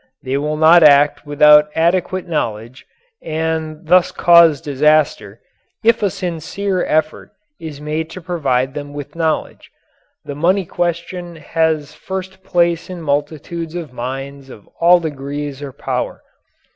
They will not act without adequate knowledge, and thus cause disaster, if a sincere effort is made to provide them with knowledge. The money question has first place in multitudes of minds of all degrees or power.